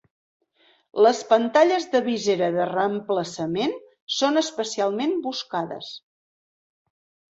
Les pantalles de visera de reemplaçament són especialment buscades.